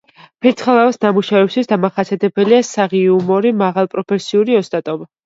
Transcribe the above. ფირცხალავას ნამუშევრებისათვის დამახასიათებელია საღი იუმორი, მაღალპროფესიული ოსტატობა.